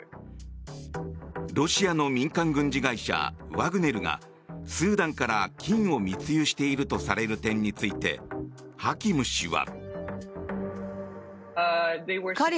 ロシアの民間軍事会社ワグネルがスーダンから金を密輸しているとされる点についてハキム氏は。